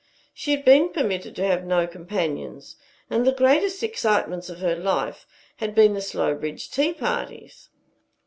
She had been permitted to have no companions, and the greatest excitements of her life had been the Slowbridge tea parties.